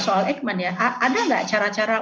soal ekmen ya ada gak cara cara